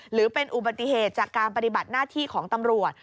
หรือเป็นอุบัติเหตุจากการปฏิบัติหน้าที่ของตำรวจ